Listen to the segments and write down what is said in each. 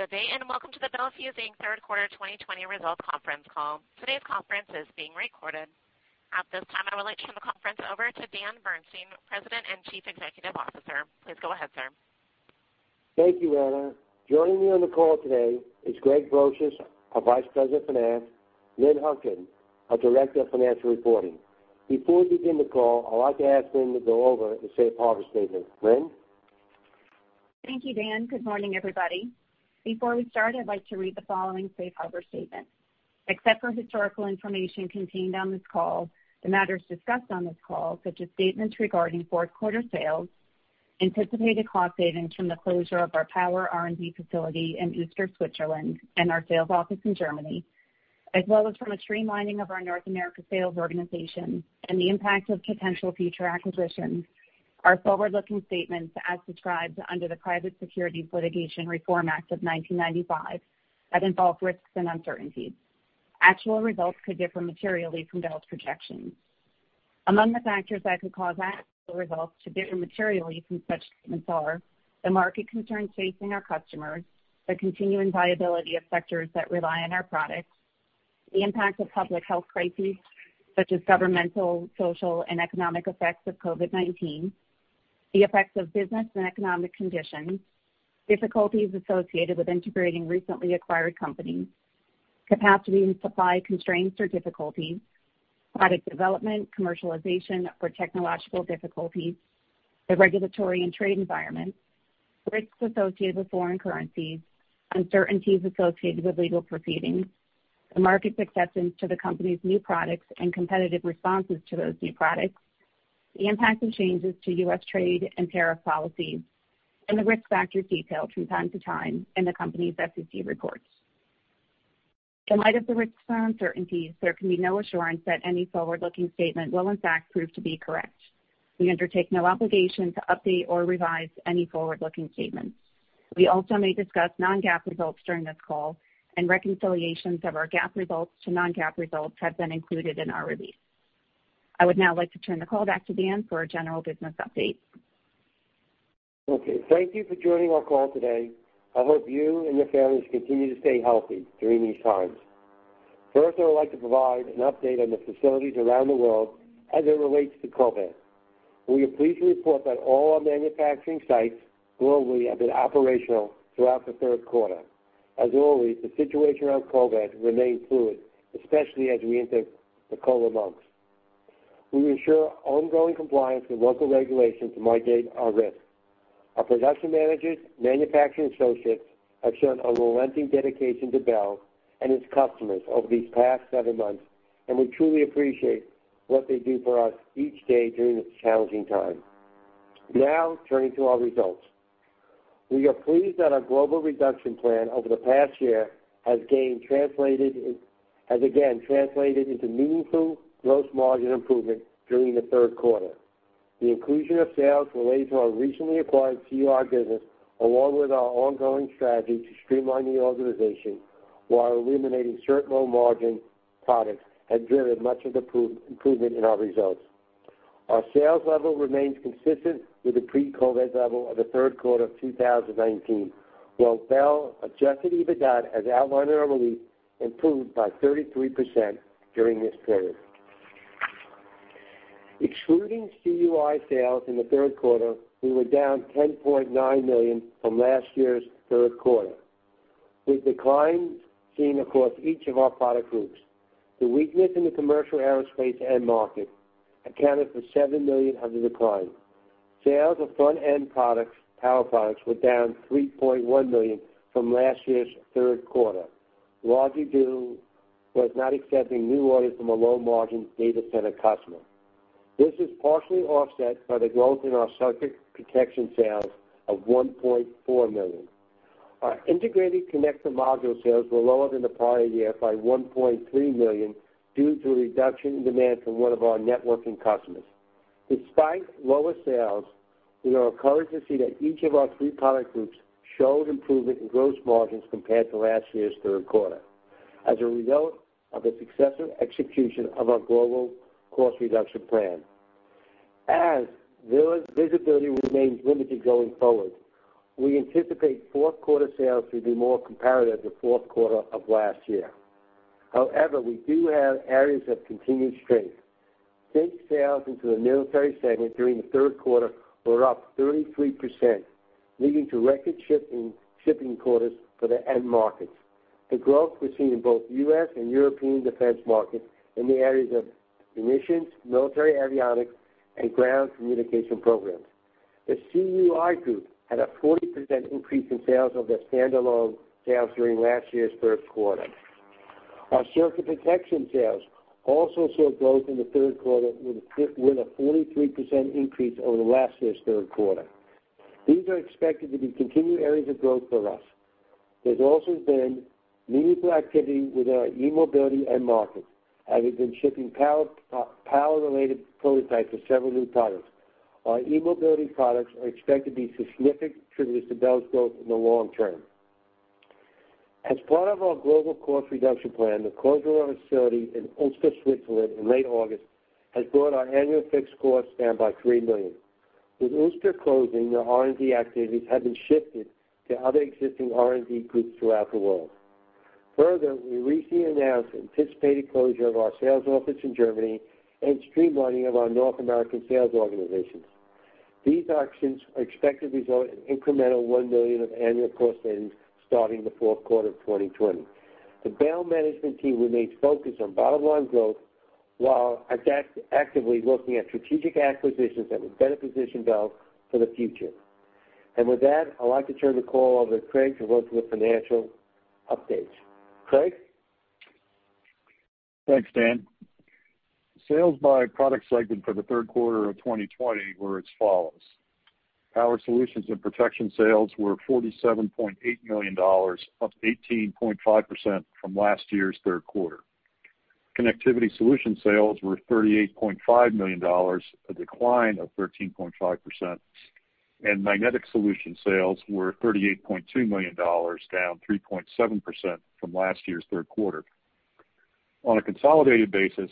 Good day, and welcome to the Bel Fuse Inc. Third Quarter 2020 Results Conference Call. Today's conference is being recorded. At this time, I would like to turn the conference over to Dan Bernstein, President and Chief Executive Officer. Please go ahead, sir. Thank you, Anna. Joining me on the call today is Craig Brosious, our Vice President of Finance, Lynn Hutkin, our Director of Financial Reporting. Before we begin the call, I would like to ask Lynn to go over the safe harbor statement. Lynn? Thank you, Dan. Good morning, everybody. Before we start, I'd like to read the following safe harbor statement. Except for historical information contained on this call, the matters discussed on this call, such as statements regarding fourth quarter sales, anticipated cost savings from the closure of our power R&D facility in Uster, Switzerland, and our sales office in Germany, as well as from a streamlining of our North America sales organization and the impact of potential future acquisitions, are forward-looking statements as described under the Private Securities Litigation Reform Act of 1995 that involve risks and uncertainties. Actual results could differ materially from Bel's projections. Among the factors that could cause actual results to differ materially from such statements are the market concerns facing our customers, the continuing viability of sectors that rely on our products, the impact of public health crises, such as governmental, social, and economic effects of COVID-19, the effects of business and economic conditions, difficulties associated with integrating recently acquired companies, capacity and supply constraints or difficulties, product development, commercialization or technological difficulties, the regulatory and trade environment, risks associated with foreign currencies, uncertainties associated with legal proceedings, the market's acceptance to the company's new products and competitive responses to those new products, the impact of changes to U.S. trade and tariff policies, and the risk factors detailed from time to time in the company's SEC reports. In light of the risks and uncertainties, there can be no assurance that any forward-looking statement will in fact prove to be correct. We undertake no obligation to update or revise any forward-looking statements. We also may discuss non-GAAP results during this call, and reconciliations of our GAAP results to non-GAAP results have been included in our release. I would now like to turn the call back to Dan for a general business update. Okay, thank you for joining our call today. I hope you and your families continue to stay healthy during these times. First, I would like to provide an update on the facilities around the world as it relates to COVID. We are pleased to report that all our manufacturing sites globally have been operational throughout the third quarter. As always, the situation around COVID remains fluid, especially as we enter the colder months. We ensure ongoing compliance with local regulations to mitigate our risk. Our production managers and manufacturing associates have shown an unrelenting dedication to Bel and its customers over these past seven months, and we truly appreciate what they do for us each day during this challenging time. Turning to our results. We are pleased that our global reduction plan over the past year has again translated into meaningful gross margin improvement during the third quarter. The inclusion of sales related to our recently acquired CUI business, along with our ongoing strategy to streamline the organization while eliminating certain low-margin products, has driven much of the improvement in our results. Our sales level remains consistent with the pre-COVID-19 level of the third quarter of 2019, while Bel Adjusted EBITDA, as outlined in our release, improved by 33% during this period. Excluding CUI sales in the third quarter, we were down $10.9 million from last year's third quarter, with declines seen across each of our product groups. The weakness in the commercial aerospace end market accounted for $7 million of the decline. Sales of front-end power products were down $3.1 million from last year's third quarter, largely due to us not accepting new orders from a low-margin data center customer. This is partially offset by the growth in our circuit protection sales of $1.4 million. Our integrated connector module sales were lower than the prior year by $1.3 million due to a reduction in demand from one of our networking customers. Despite lower sales, we are encouraged to see that each of our three product groups showed improvement in gross margins compared to last year's third quarter as a result of the successful execution of our global cost reduction plan. As visibility remains limited going forward, we anticipate fourth quarter sales to be more comparable to fourth quarter of last year. We do have areas of continued strength. Sales into the military segment during the third quarter were up 33%, leading to record shipping quarters for the end markets. The growth was seen in both U.S. and European defense markets in the areas of munitions, military avionics, and ground communication programs. The CUI group had a 40% increase in sales over the standalone sales during last year's third quarter. Our circuit protection sales also saw growth in the third quarter with a 43% increase over last year's third quarter. These are expected to be continued areas of growth for us. There's also been meaningful activity with our e-mobility end markets, as we've been shipping power-related prototypes of several new products. Our e-mobility products are expected to be significant contributors to Bel's growth in the long term. As part of our global cost reduction plan, the closure of our facility in Uster, Switzerland, in late August has brought our annual fixed costs down by $3 million. With Uster closing, their R&D activities have been shifted to other existing R&D groups throughout the world. Further, we recently announced anticipated closure of our sales office in Germany and the streamlining of our North American sales organizations. These actions are expected to result in incremental $1 million of annual cost savings starting in the fourth quarter of 2020. The Bel management team remains focused on bottom-line growth while actively looking at strategic acquisitions that will better position Bel for the future. With that, I'd like to turn the call over to Craig to go through the financial updates. Craig? Thanks, Dan. Sales by product segment for the third quarter of 2020 were as follows. Power Solutions and Protection sales were $47.8 million, up 18.5% from last year's third quarter. Connectivity Solutions sales were $38.5 million, a decline of 13.5%, and Magnetic Solutions sales were $38.2 million, down 3.7% from last year's third quarter. On a consolidated basis,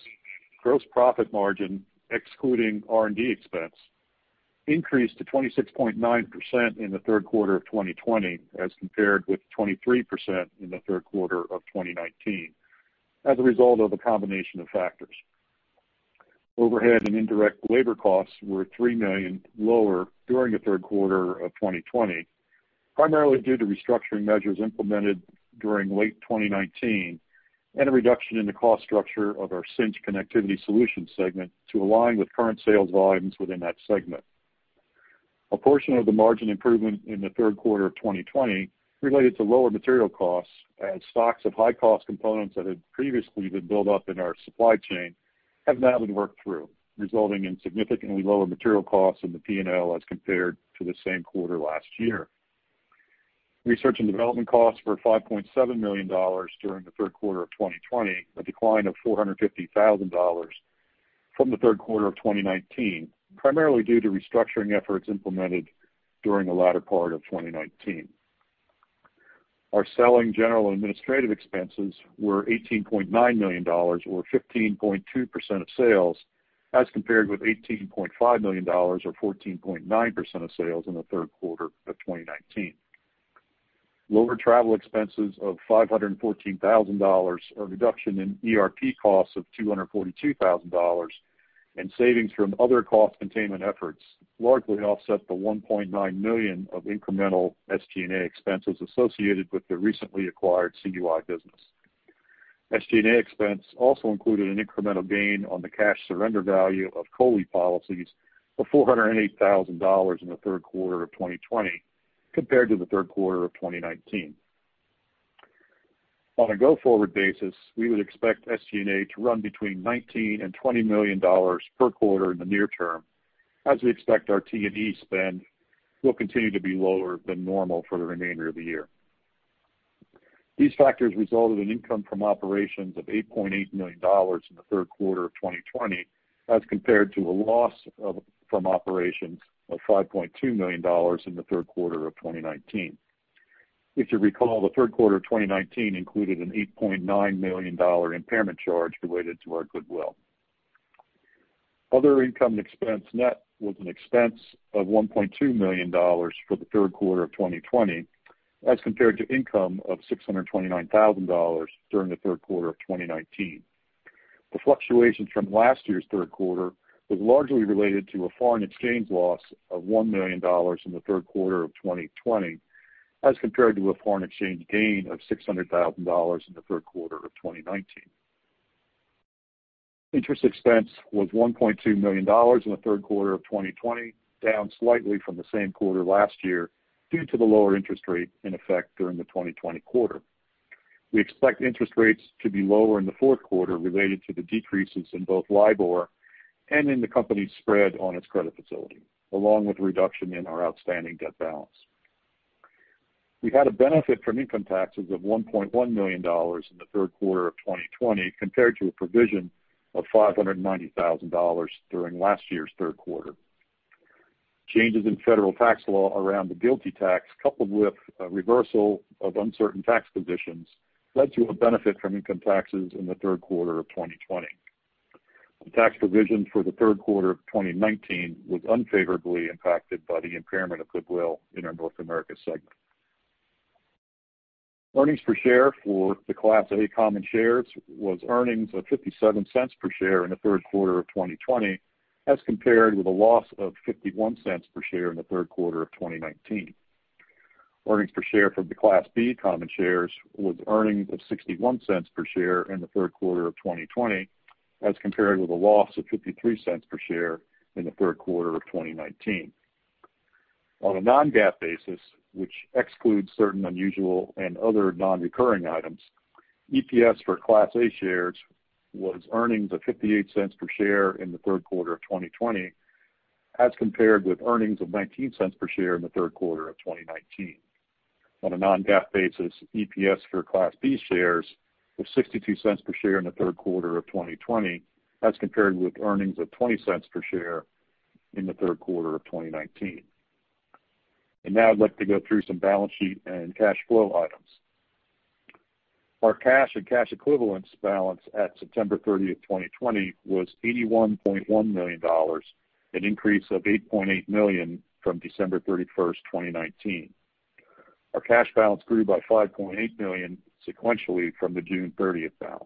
gross profit margin, excluding R&D expense, increased to 26.9% in the third quarter of 2020 as compared with 23% in the third quarter of 2019 as a result of a combination of factors. Overhead and indirect labor costs were $3 million lower during the third quarter of 2020, primarily due to restructuring measures implemented during late 2019 and a reduction in the cost structure of our Cinch Connectivity Solutions segment to align with current sales volumes within that segment. A portion of the margin improvement in the third quarter of 2020 related to lower material costs as stocks of high-cost components that had previously been built up in our supply chain have now been worked through, resulting in significantly lower material costs in the P&L as compared to the same quarter last year. Research and development costs were $5.7 million during the third quarter of 2020, a decline of $450,000 from the third quarter of 2019, primarily due to restructuring efforts implemented during the latter part of 2019. Our selling general administrative expenses were $18.9 million, or 15.2% of sales, as compared with $18.5 million, or 14.9% of sales, in the third quarter of 2019. Lower travel expenses of $514,000, a reduction in ERP costs of $242,000, and savings from other cost containment efforts largely offset the $1.9 million of incremental SG&A expenses associated with the recently acquired CUI business. SG&A expense also included an incremental gain on the cash surrender value of COLI policies of $408,000 in the third quarter of 2020 compared to the third quarter of 2019. On a go-forward basis, we would expect SG&A to run between $19 million and $20 million per quarter in the near term, as we expect our T&E spend to continue to be lower than normal for the remainder of the year. These factors resulted in income from operations of $8.8 million in the third quarter of 2020 as compared to a loss from operations of $5.2 million in the third quarter of 2019. If you recall, the third quarter of 2019 included an $8.9 million impairment charge related to our goodwill. Other income expense net was an expense of $1.2 million for the third quarter of 2020 as compared to income of $629,000 during the third quarter of 2019. The fluctuation from last year's third quarter was largely related to a foreign exchange loss of $1 million in the third quarter of 2020 as compared to a foreign exchange gain of $600,000 in the third quarter of 2019. Interest expense was $1.2 million in the third quarter of 2020, down slightly from the same quarter last year due to the lower interest rate in effect during the 2020 quarter. We expect interest rates to be lower in the fourth quarter related to the decreases in both LIBOR and in the company's spread on its credit facility, along with a reduction in our outstanding debt balance. We had a benefit from income taxes of $1.1 million in the third quarter of 2020 compared to a provision of $590,000 during last year's third quarter. Changes in federal tax law around the GILTI tax, coupled with a reversal of uncertain tax positions, led to a benefit from income taxes in the third quarter of 2020. The tax provision for the third quarter of 2019 was unfavorably impacted by the impairment of goodwill in our North America segment. Earnings per share for the Class A common shares was earnings of $0.57 per share in the third quarter of 2020, as compared with a loss of $0.51 per share in the third quarter of 2019. Earnings per share for the Class B common shares was earnings of $0.61 per share in the third quarter of 2020 as compared with a loss of $0.53 per share in the third quarter of 2019. On a non-GAAP basis, which excludes certain unusual and other non-recurring items, EPS for Class A shares was earnings of $0.58 per share in the third quarter of 2020 as compared with earnings of $0.19 per share in the third quarter of 2019. On a non-GAAP basis, EPS for Class B shares was $0.62 per share in the third quarter of 2020 as compared with earnings of $0.20 per share in the third quarter of 2019. Now I'd like to go through some balance sheet and cash flow items. Our cash and cash equivalents balance at September 30th, 2020, was $81.1 million, an increase of $8.8 million from December 31st, 2019. Our cash balance grew by $5.8 million sequentially from the June 30th balance.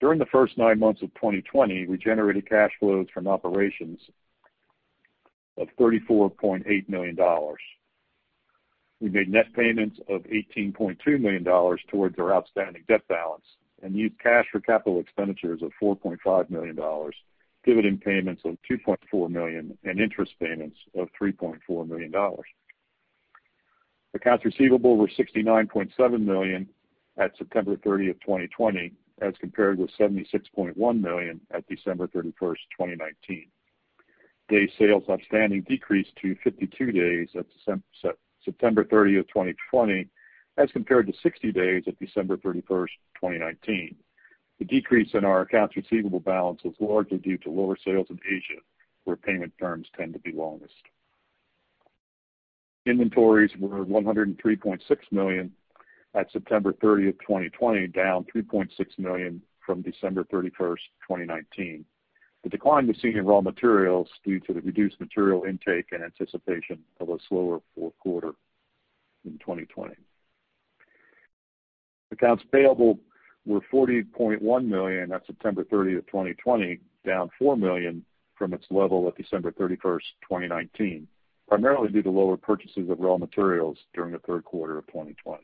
During the first nine months of 2020, we generated cash flows from operations of $34.8 million. We made net payments of $18.2 million towards our outstanding debt balance and used cash for capital expenditures of $4.5 million, dividend payments of $2.4 million, and interest payments of $3.4 million. Accounts receivable were $69.7 million at September 30th, 2020, as compared with $76.1 million at December 31st, 2019. Day sales outstanding decreased to 52 days at September 30th, 2020, as compared to 60 days at December 31st, 2019. The decrease in our accounts receivable balance was largely due to lower sales in Asia, where payment terms tend to be longest. Inventories were $103.6 million at September 30th, 2020, down $3.6 million from December 31st, 2019. The decline was seen in raw materials due to the reduced material intake in anticipation of a slower fourth quarter in 2020. Accounts payable were $40.1 million at September 30th, 2020, down $4 million from its level at December 31st, 2019, primarily due to lower purchases of raw materials during the third quarter of 2020.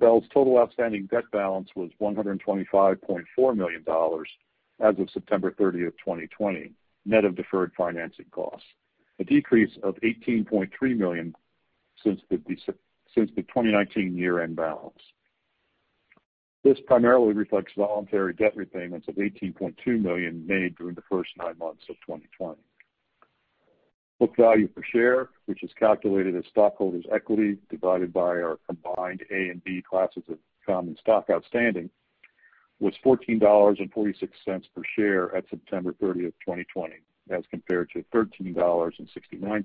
Bel's total outstanding debt balance was $125.4 million as of September 30th, 2020, net of deferred financing costs, a decrease of $18.3 million since the 2019 year-end balance. This primarily reflects voluntary debt repayments of $18.2 million made during the first nine months of 2020. Book value per share, which is calculated as stockholders' equity divided by our combined Class A and Class B common stock outstanding, was $14.46 per share at September 30th, 2020, as compared to $13.69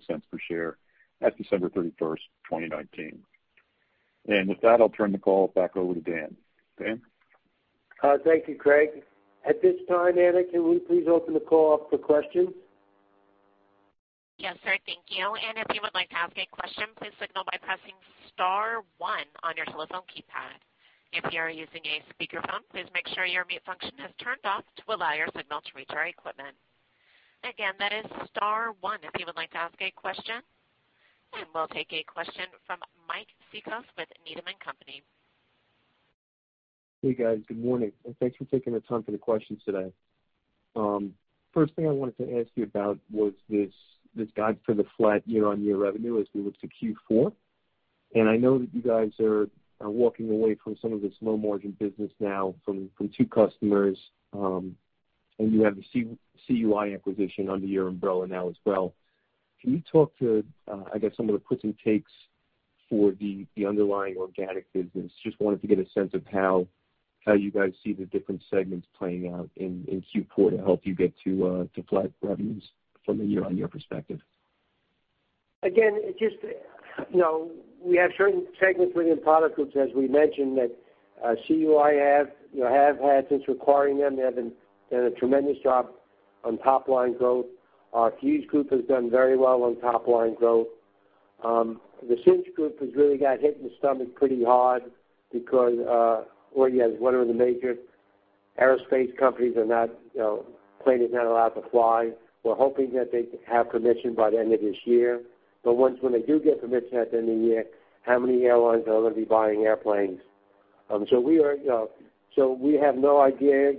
per share at December 31st, 2019. With that, I'll turn the call back over to Dan. Dan? Thank you, Craig. At this time, Anna, can we please open the call up for questions? Yeah, Sir Thank you, if you like to be asking question please pressing star one on your telephone keypad. If your using speakerphone, please make sure your mute function is turn off to allow your signal to reach our equipment. Again, press star one if you like to ask question. We'll take a question from Mike Cikos with Needham & Company. Hey, guys. Good morning, and thanks for taking the time for the questions today. First thing I wanted to ask you about was this guide for the flat year-over-year revenue as we look to Q4. I know that you guys are walking away from some of this low-margin business now from two customers, and you have the CUI acquisition under your umbrella now as well. Can you talk to, I guess, some of the puts and takes for the underlying organic business? Just wanted to get a sense of how you guys see the different segments playing out in Q4 to help you get to flat revenues from a year-over-year perspective. We have certain segments within product groups, as we mentioned, that CUI has had since acquiring them. They have done a tremendous job on top-line growth. Our Fuse Group has done very well on top-line growth. The Cinch group has really got hit in the stomach pretty hard because one of the major aerospace companies, planes are not allowed to fly. We're hoping that they have permission by the end of this year. Once when they do get permission at the end of the year, how many airlines are going to be buying airplanes? We have no idea.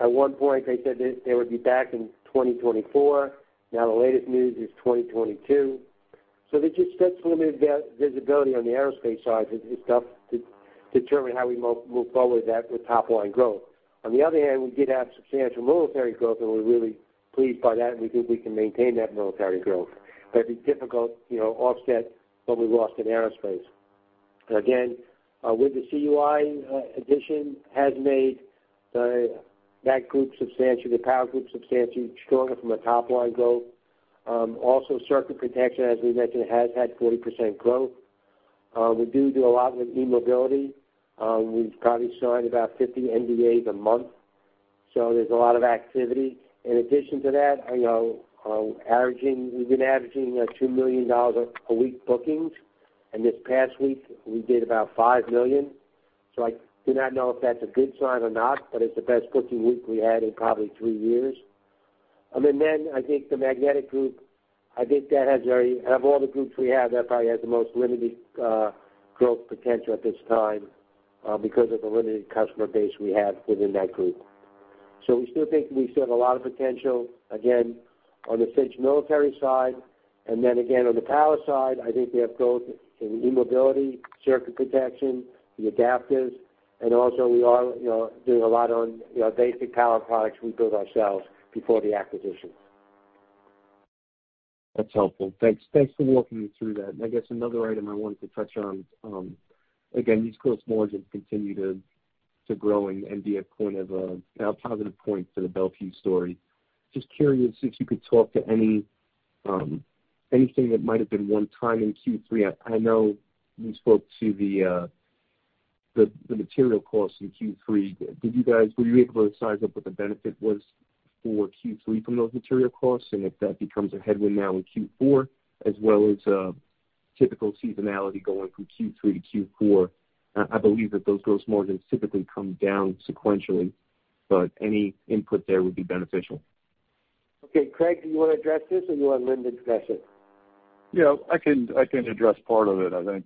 At one point, they said they would be back in 2024. Now, the latest news is 2022. There's just such limited visibility on the aerospace side. It's tough to determine how we move forward with that with top-line growth. On the other hand, we did have substantial military growth, and we're really pleased by that, and we think we can maintain that military growth. It'd be difficult to offset what we lost in aerospace. Again, with the CUI addition has made that group substantial, the power group substantially stronger from a top-line growth. Circuit protection, as we mentioned, has had 40% growth. We do a lot with e-mobility. We've probably signed about 50 NDAs a month, so there's a lot of activity. In addition to that, we've been averaging $2 million a week bookings, and this past week, we did about $5 million. I do not know if that's a good sign or not, but it's the best booking week we had in probably three years. I think the Magnetic group, of all the groups we have, that probably has the most limited growth potential at this time because of the limited customer base we have within that group. We still think we still have a lot of potential, again, on the Cinch military side. On the power side, I think we have growth in e-mobility, circuit protection, the adapters, and also, we are doing a lot on basic power products we built ourselves before the acquisition. That's helpful. Thanks for walking me through that. I guess another item I wanted to touch on, again, these gross margins continue to growing and be a point of a positive point for the Bel Fuse story. Just curious if you could talk to anything that might have been one time in Q3. I know you spoke to the material costs in Q3. Were you able to size up what the benefit was for Q3 from those material costs, and if that becomes a headwind now in Q4, as well as typical seasonality going from Q3 to Q4? I believe that those gross margins typically come down sequentially. Any input there would be beneficial. Okay, Craig, do you want to address this, or do you want Lynn to address it? Yeah, I can address part of it. I think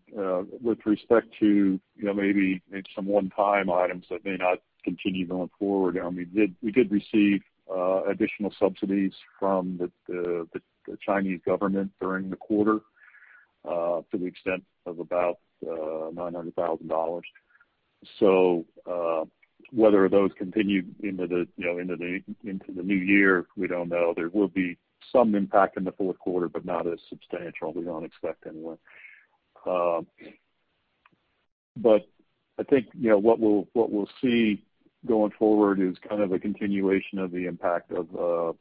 with respect to maybe some one-time items that may not continue going forward. We did receive additional subsidies from the Chinese government during the quarter to the extent of about $900,000. Whether those continue into the new year, we don't know. There will be some impact in the fourth quarter, but not as substantial. We don't expect any. I think what we'll see going forward is kind of a continuation of the impact of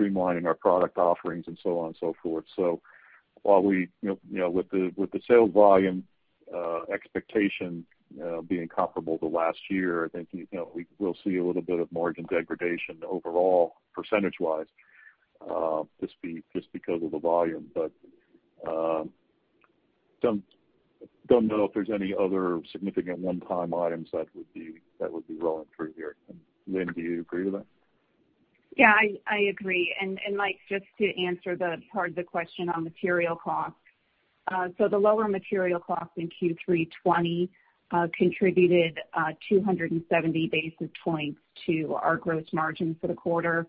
streamlining our product offerings and so on and so forth. With the sales volume expectation being comparable to last year, I think we'll see a little bit of margin degradation overall, percentage-wise, just because of the volume. I don't know if there's any other significant one-time items that would be rolling through here. Lynn, do you agree with that? Yeah, I agree. Mike, just to answer the part of the question on material costs. The lower material costs in Q3 2020 contributed 270 basis points to our gross margin for the quarter.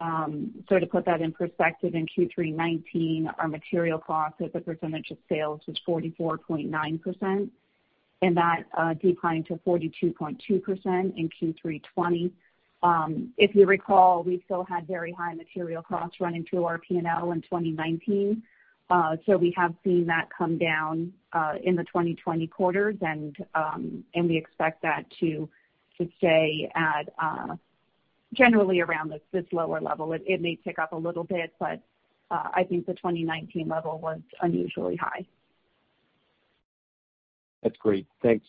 To put that in perspective, in Q3 2019, our material costs as a percentage of sales was 44.9%, and that declined to 42.2% in Q3 2020. If you recall, we still had very high material costs running through our P&L in 2019. We have seen that come down in the 2020 quarters. We expect that to stay at generally around this lower level. It may tick up a little bit, but I think the 2019 level was unusually high. That's great. Thanks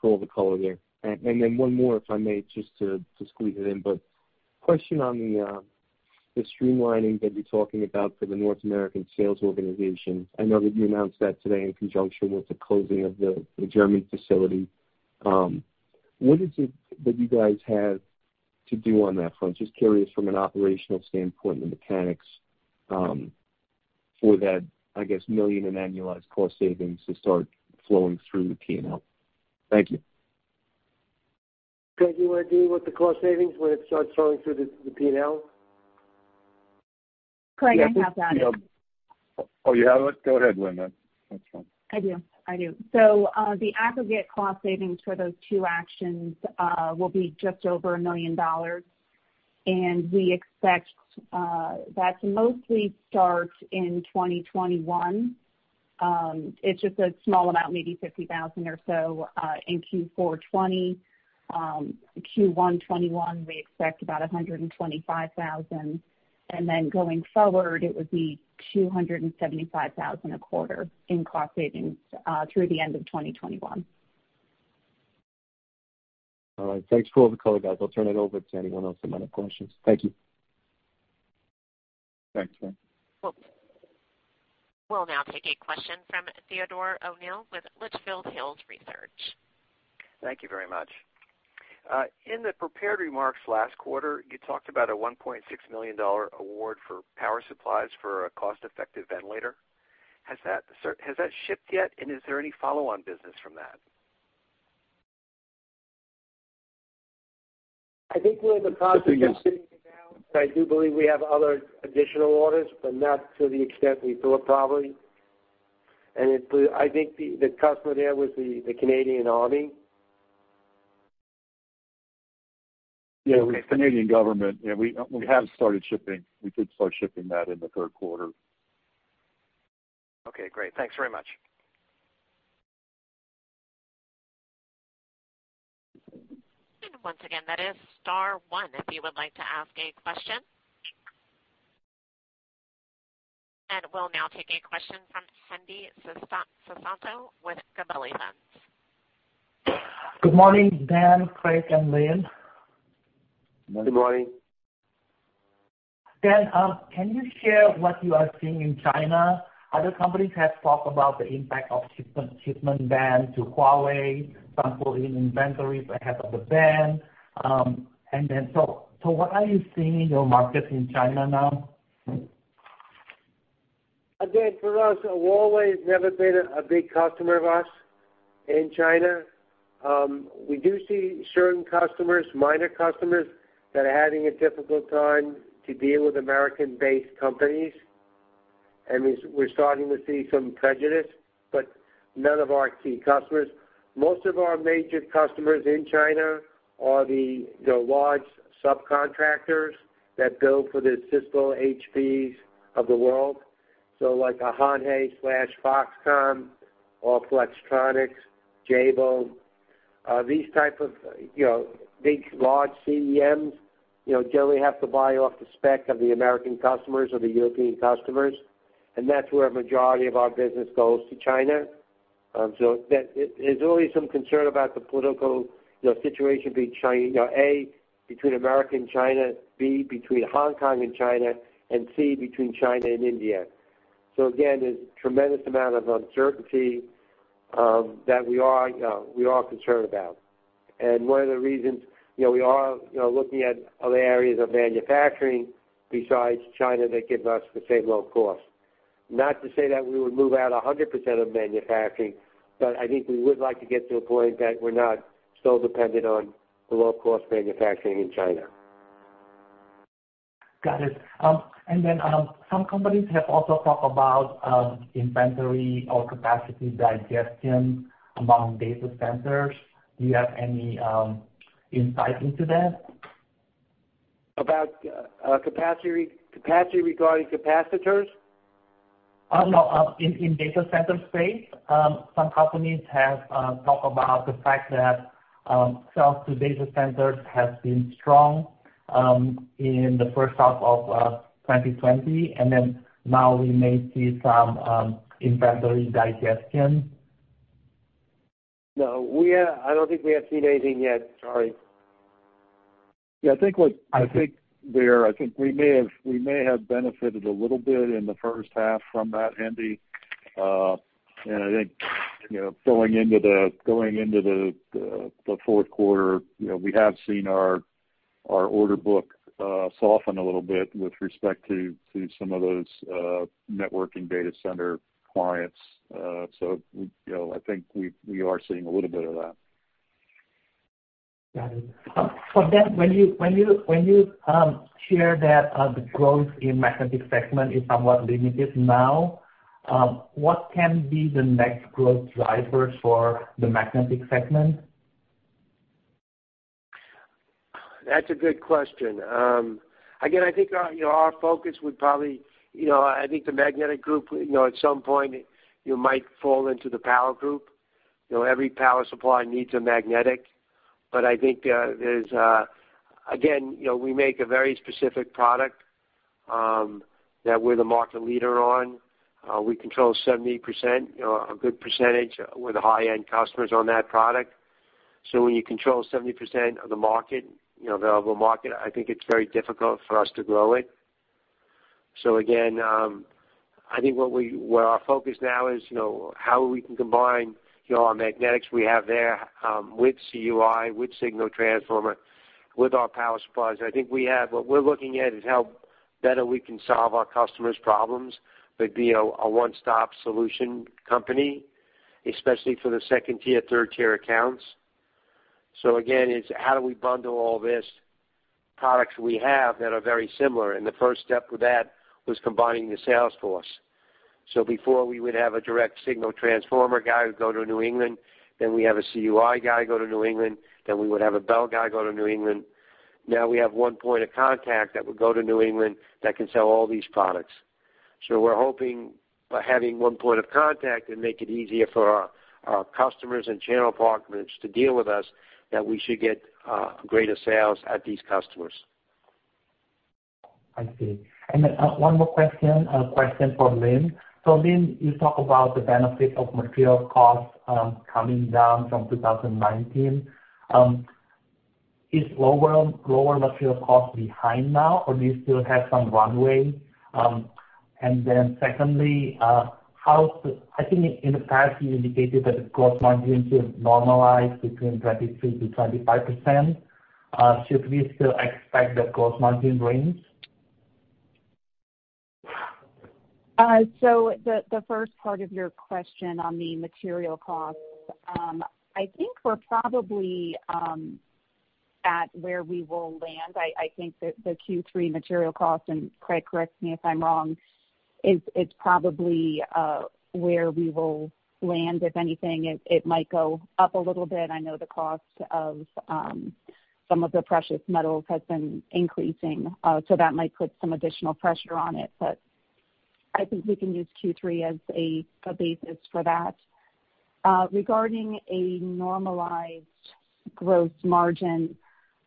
for all the color there. Then one more, if I may, just to squeeze it in. Question on the streamlining that you're talking about for the North American sales organization. I know that you announced that today in conjunction with the closing of the German facility. What is it that you guys have to do on that front? Just curious from an operational standpoint and the mechanics for that, I guess, $1 million in annualized cost savings to start flowing through the P&L. Thank you. Craig, do you want to deal with the cost savings when it starts flowing through the P&L? Craig, I have that. Oh, you have it? Go ahead, Lynn. That's fine. I do. The aggregate cost savings for those two actions will be just over $1 million, and we expect that to mostly start in 2021. It's just a small amount, maybe $50,000 or so in Q4 2020. In Q1 2021, we expect about $125,000. Going forward, it would be $275,000 a quarter in cost savings through the end of 2021. All right. Thanks for all the color, guys. I'll turn it over to anyone else that might have questions. Thank you. Thanks, Mike. We'll now take a question from Theodore O'Neill with Litchfield Hills Research. Thank you very much. In the prepared remarks last quarter, you talked about a $1.6 million award for power supplies for a cost-effective ventilator. Has that shipped yet, and is there any follow-on business from that? I think we're in the process of shipping it now. I do believe we have other additional orders, but not to the extent we thought, probably. I think the customer there was the Canadian Army. Yeah, it was the Canadian government. Yeah, we have started shipping. We did start shipping that in the third quarter. Okay, great. Thanks very much. Once again, that is star one if you would like to ask a question. We'll now take a question from Hendi Susanto with Gabelli Funds. Good morning, Dan, Craig, and Lynn. Good morning. Dan, can you share what you are seeing in China? Other companies have talked about the impact of shipment ban to Huawei, some pulling inventories ahead of the ban. What are you seeing in your market in China now? For us, Huawei's never been a big customer of us in China. We do see certain customers, minor customers, that are having a difficult time to deal with American-based companies. We're starting to see some prejudice, but none of our key customers. Most of our major customers in China are the large subcontractors that build for the Cisco, HPs of the world. Like a Hon Hai/Foxconn or Flextronics, Jabil, these type of big, large CEMs generally have to buy off the spec of the American customers or the European customers, and that's where a majority of our business goes, to China. There's always some concern about the political situation, A, between America and China, B, between Hong Kong and China, and C, between China and India. Again, there's tremendous amount of uncertainty that we are concerned about. One of the reasons we are looking at other areas of manufacturing besides China that give us the same low cost. Not to say that we would move out 100% of manufacturing, but I think we would like to get to a point that we're not so dependent on the low-cost manufacturing in China. Got it. Some companies have also talked about inventory or capacity digestion among data centers. Do you have any insight into that? About capacity regarding capacitors? No, in data center space, some companies have talked about the fact that sales to data centers have been strong in the first half of 2020, and then now we may see some inventory digestion. No, I don't think we have seen anything yet, sorry. Yeah, I think we may have benefited a little bit in the first half from that, Hendi. I think, going into the fourth quarter, we have seen our order book soften a little bit with respect to some of those networking data center clients. I think we are seeing a little bit of that. Got it. When you share that the growth in the magnetic segment is somewhat limited now, what can be the next growth drivers for the magnetic segment? That's a good question. Again, I think, our focus would probably, I think the Magnetic Group, at some point, might fall into the Power Group. Every power supply needs a magnetic. I think, again, we make a very specific product that we're the market leader on. We control 70%, a good percentage with high-end customers on that product. When you control 70% of the available market, I think it's very difficult for us to grow it. Again, I think where our focus now is how we can combine our magnetics we have there, with CUI, with Signal Transformer, with our power supplies. I think what we're looking at is how better we can solve our customers' problems, but be a one-stop solution company, especially for the second-tier and third-tier accounts. Again, it's how do we bundle all these products we have that are very similar, and the first step with that was combining the sales force. Before, we would have a direct Signal Transformer guy who'd go to New England, then we have a CUI guy go to New England, then we would have a Bel guy go to New England. Now we have one point of contact that would go to New England that can sell all these products. We're hoping by having one point of contact it'd make it easier for our customers and channel partners to deal with us, that we should get greater sales at these customers. I see. One more question for Lynn. Lynn, you talk about the benefit of material costs coming down from 2019. Is lower material cost behind now, or do you still have some runway? Secondly, I think in the past you indicated that the gross margin should normalize between 23%-25%. Should we still expect that gross margin range? The first part of your question on the material costs, I think we're probably at where we will land. I think that the Q3 material cost, and Craig, correct me if I'm wrong, it's probably where we will land. If anything, it might go up a little bit. I know the cost of some of the precious metals has been increasing. That might put some additional pressure on it, but I think we can use Q3 as a basis for that. Regarding a normalized growth margin,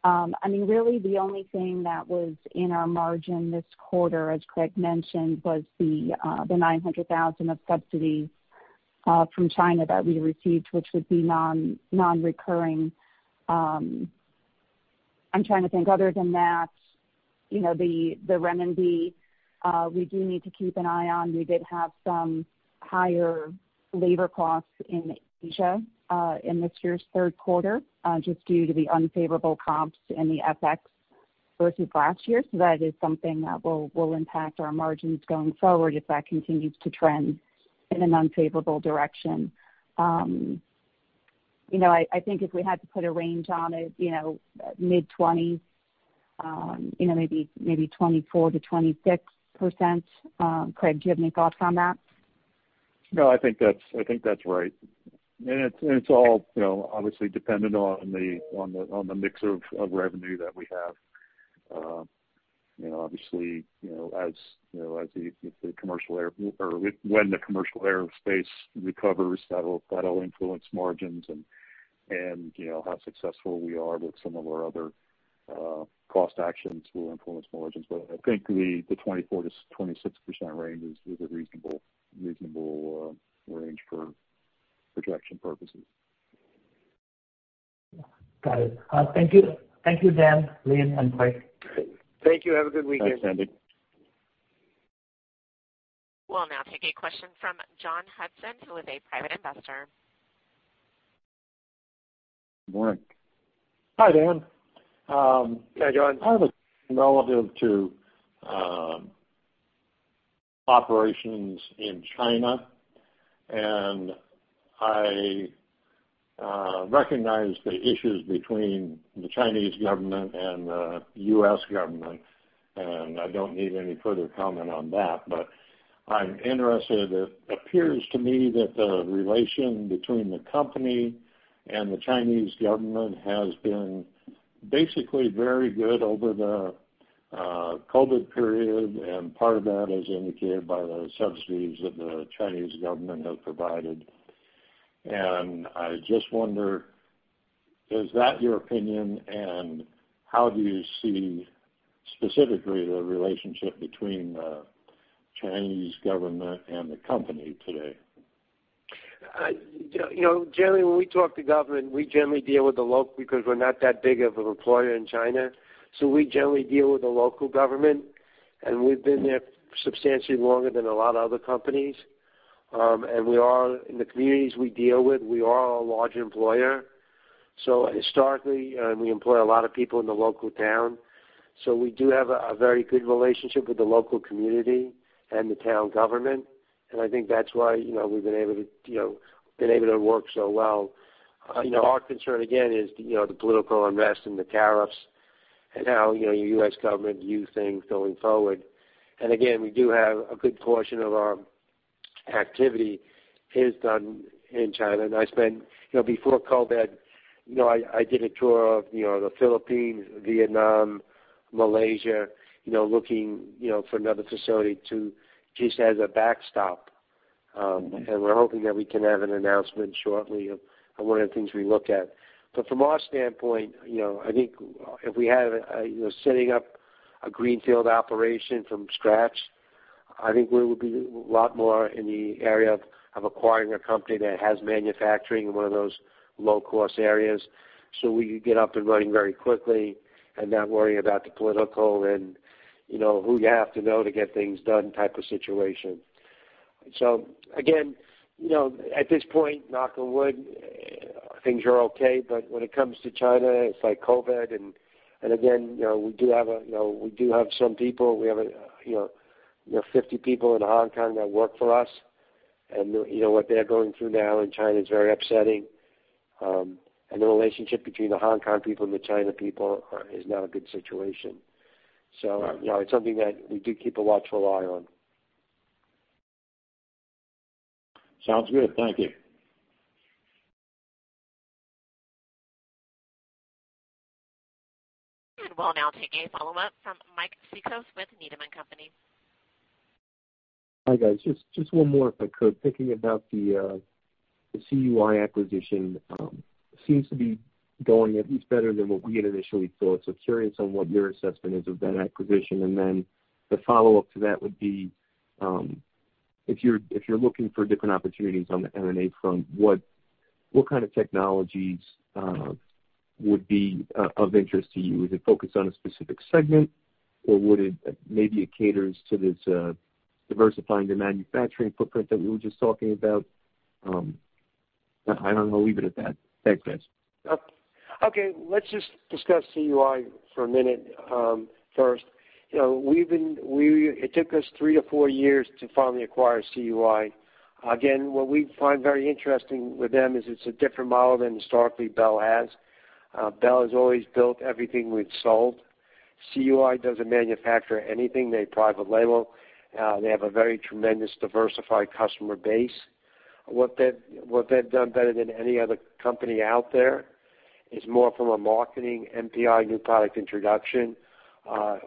really the only thing that was in our margin this quarter, as Craig mentioned, was the $900,000 of subsidies from China that we received, which would be non-recurring. I'm trying to think. Other than that, the renminbi, we do need to keep an eye on. We did have some higher labor costs in Asia in this year's third quarter, just due to the unfavorable comps and the FX versus last year. That is something that will impact our margins going forward if that continues to trend in an unfavorable direction. I think if we had to put a range on it, mid-20s, maybe 24%-26%. Craig, do you have any thoughts on that? No, I think that's right. It's all obviously dependent on the mix of revenue that we have. Obviously, when the commercial aerospace recovers, that'll influence margins, and how successful we are with some of our other cost actions will influence margins. I think the 24%-26% range is a reasonable range for projection purposes. Got it. Thank you, Dan, Lynn, and Craig. Thank you. Have a good weekend. Thanks, Hendi. We'll now take a question from John Hudson, who is a private investor. Good morning. Hi, John. Hi, John. I have a relative to operations in China, and I recognize the issues between the Chinese government and the U.S. government, and I don't need any further comment on that, but I'm interested. It appears to me that the relation between the company and the Chinese government has been basically very good over the COVID period, and part of that is indicated by the subsidies that the Chinese government has provided. I just wonder, is that your opinion, and how do you see specifically the relationship between the Chinese government and the company today? Generally, when we talk to the government, because we're not that big of an employer in China, we generally deal with the local government, and we've been there substantially longer than a lot of other companies. In the communities we deal with, we are a large employer. Historically, we employ a lot of people in the local town. We do have a very good relationship with the local community and the town government; I think that's why we've been able to work so well. Our concern again is the political unrest and the tariffs, and how the U.S. government views things going forward. Again, we do have a good portion of our activity is done in China. Before COVID, I did a tour of the Philippines, Vietnam, and Malaysia, looking for another facility just as a backstop. We're hoping that we can have an announcement shortly of one of the things we looked at. From our standpoint, I think if we have setting up a greenfield operation from scratch, I think we would be a lot more in the area of acquiring a company that has manufacturing in one of those low-cost areas. We could get up and running very quickly and not worry about the political and who you have to know to get things done type of situation. Again, at this point, knock on wood, things are okay. When it comes to China, it's like COVID, and again, we do have some people. We have 50 people in Hong Kong that work for us, and what they're going through now in China is very upsetting. The relationship between the Hong Kong people and the China people is not a good situation. It's something that we do keep a watchful eye on. Sounds good. Thank you. We'll now take a follow-up from Mike Cikos with Needham & Company. Hi, guys. Just one more, if I could. Thinking about the CUI acquisition. Seems to be going at least better than what we had initially thought. Curious on what your assessment is of that acquisition. The follow-up to that would be, if you're looking for different opportunities on the M&A front, what kind of technologies would be of interest to you? Is it focused on a specific segment, or would it maybe caters to this diversifying the manufacturing footprint that we were just talking about? I don't know. Leave it at that. Thanks, guys. Okay. Let's just discuss CUI for a minute first. It took us three to four years to finally acquire CUI. What we find very interesting with them is it's a different model than historically Bel has. Bel has always built everything we've sold. CUI doesn't manufacture anything. They private label. They have a very tremendous diversified customer base. What they've done better than any other company out there is more from a marketing NPI, new product introduction.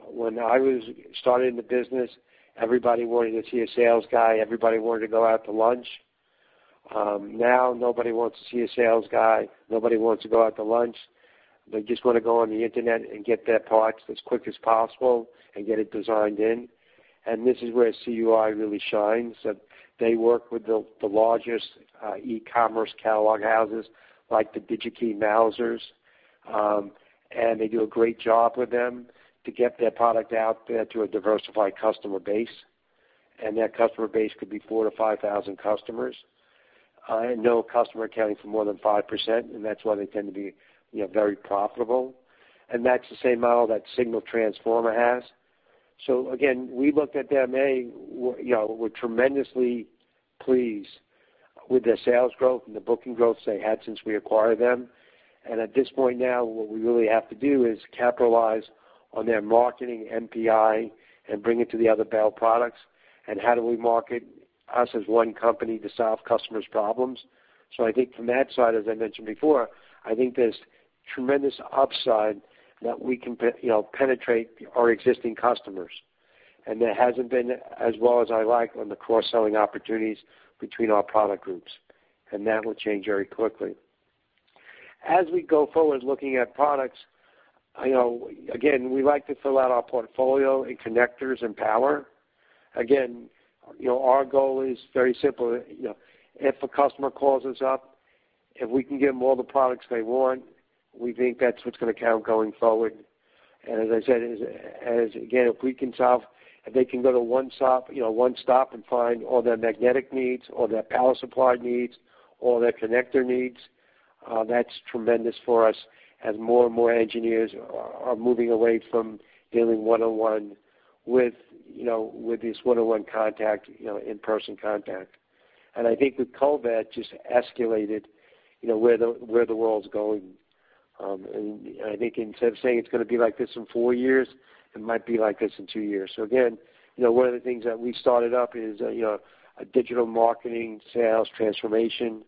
When I was starting in the business, everybody wanted to see a sales guy, everybody wanted to go out to lunch. Now nobody wants to see a sales guy. Nobody wants to go out to lunch. They just want to go on the Internet and get their parts as quick as possible and get it designed in. This is where CUI really shines. They work with the largest e-commerce catalog houses like DigiKey, Mouser Electronics, they do a great job with them to get their product out there to a diversified customer base. That customer base could be 4,000 to 5,000 customers. No customer accounting for more than 5%, that's why they tend to be very profitable. That's the same model that Signal Transformer has. Again, we looked at them, we're tremendously pleased with their sales growth and the booking growth they had since we acquired them. At this point now, what we really have to do is capitalize on their marketing NPI and bring it to the other Bel products. How do we market us as one company to solve customers' problems? I think from that side, as I mentioned before, I think there's tremendous upside that we can penetrate our existing customers. There hasn't been as well as I like on the cross-selling opportunities between our product groups, and that will change very quickly. As we go forward looking at products, again, we like to fill out our portfolio in connectors and power. Again, our goal is very simple. If a customer calls us up, if we can get them all the products they want, we think that's what's going to count going forward. As I said, again, if they can go to one stop and find all their magnetic needs, all their power supply needs, all their connector needs, that's tremendous for us as more and more engineers are moving away from dealing one-on-one with this one-on-one in-person contact. I think with COVID, just escalated where the world's going. I think instead of saying it's going to be like this in four years, it might be like this in two years. Again, one of the things that we started up is a digital marketing sales transformation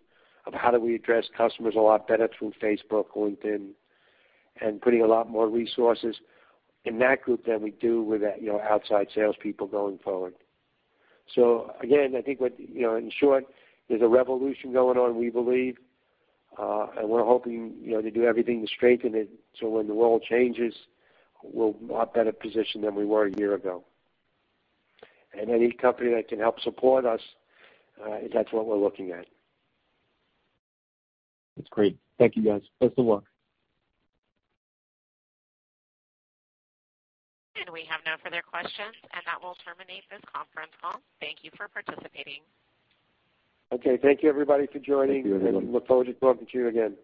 of how do we address customers a lot better through Facebook, LinkedIn, and putting a lot more resources in that group than we do with outside salespeople going forward. Again, I think in short, there's a revolution going on, we believe, and we're hoping to do everything to strengthen it, so when the world changes, we're a lot better positioned than we were a year ago. Any company that can help support us, that's what we're looking at. That's great. Thank you, guys. Best of luck. We have no further questions. That will terminate this conference call. Thank you for participating. Okay. Thank you everybody for joining. Thank you everyone. Look forward to talking to you again.